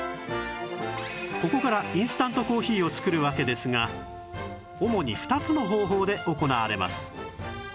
ここからインスタントコーヒーを作るわけですが主に２つの方法で行われます